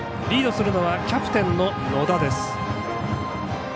リードするのはキャプテンの野田。